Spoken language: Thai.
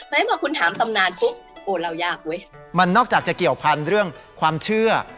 ไหมพอคุณถามตำนานปุ๊บโอ้เรายากเว้ยมันนอกจากจะเกี่ยวพันธุ์เรื่องความเชื่อ